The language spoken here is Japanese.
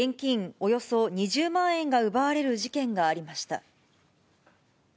およそ２０万円が奪われる事件がありました。